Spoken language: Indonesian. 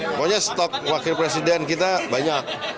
pokoknya stok wakil presiden kita banyak